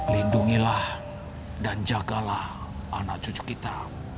lindungilah dan jagalah anak cucu kita